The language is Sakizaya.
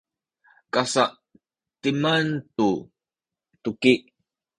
kasa’timan tu tuki